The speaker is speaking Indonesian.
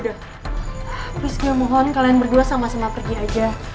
terus ya mohon kalian berdua sama sama pergi aja